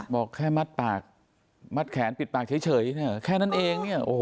บอกแค่มัดปากมัดแขนปิดปากเฉยแค่นั้นเอง